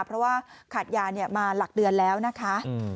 เพราะว่าขาดยามาหลักเดือนแล้วนะคะ